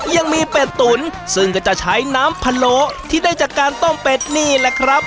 เป็ดตุ๋นซึ่งก็จะใช้น้ำพะโลที่ได้จากการต้มเป็ดนี่แหละครับ